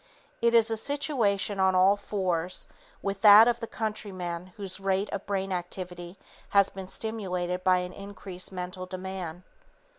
It is a situation on all fours with that of the countryman whose rate of brain activity has been stimulated by an increased mental demand.